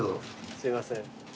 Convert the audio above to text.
すいません。